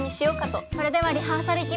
それではリハーサルいきます。